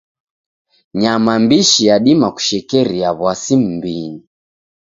Nyama mbishi yadima kushekeria w'asi m'mbinyi.